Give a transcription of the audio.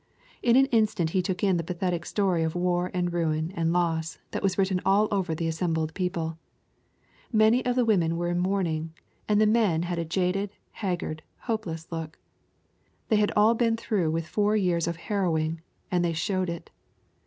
In an instant he took in the pathetic story of war and ruin and loss that was written all over the assembled people. Many of the women were in mourning, and the men had a jaded, haggard, hopeless look. They had all been through with four years of harrowing, and they showed it.